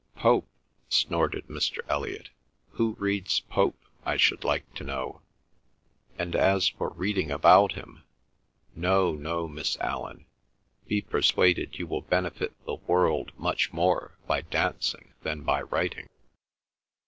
"Pope!" snorted Mr. Elliot. "Who reads Pope, I should like to know? And as for reading about him—No, no, Miss Allan; be persuaded you will benefit the world much more by dancing than by writing."